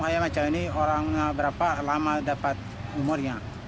saya macam ini orangnya berapa lama dapat umurnya